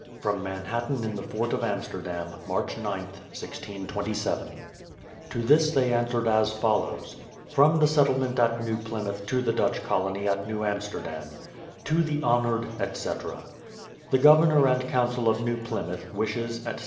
From Manhattan, in the Fort of Amsterdam. March gth, 1627. To this they answered as follows : From the Settlement at New Plymouth to the Dutch Colony at New Amsterdam: To the honoured, etc. The Governor and Council of New Plymouth, wishes, etc.